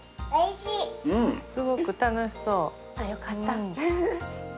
よかった。